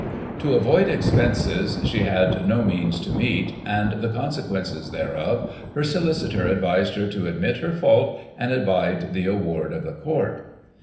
To avoid expenses she had no means to meet, and the consequences thereof, her solicitor advised her to admit her fault, and abide the award of the Court.